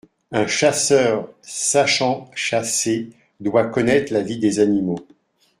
Un chasseur sachant chasser doit connaître la vie des animaux.